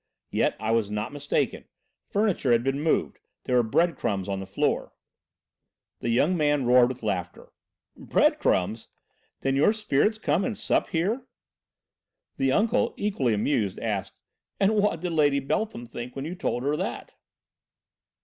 Yet, I was not mistaken, furniture had been moved. There were bread crumbs on the floor." The young man roared with laughter. "Bread crumbs! Then your spirits come and sup here?" The uncle, equally amused, asked: "And what did Lady Beltham think when you told her that?"